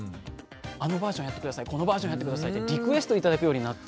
あのバージョンやって下さいこのバージョンやって下さいってリクエスト頂くようになって。